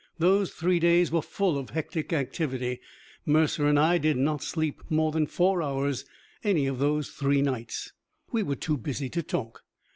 Those three days were full of hectic activity. Mercer and I did not sleep more than four hours any of those three nights. We were too busy to talk.